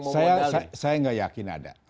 saya gak yakin ada